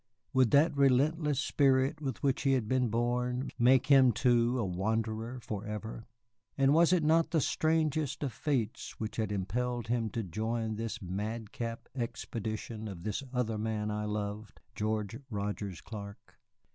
Would that relentless spirit with which he had been born make him, too, a wanderer forever? And was it not the strangest of fates which had impelled him to join this madcap expedition of this other man I loved, George Rogers Clark?